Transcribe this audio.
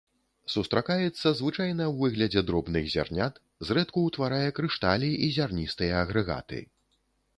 Сустракаецца звычайна ў выглядзе дробных зярнят, зрэдку ўтварае крышталі і зярністыя агрэгаты.